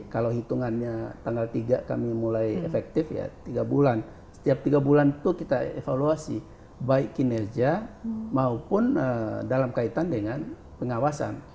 kalau hitungannya tanggal tiga kami mulai efektif ya tiga bulan setiap tiga bulan itu kita evaluasi baik kinerja maupun dalam kaitan dengan pengawasan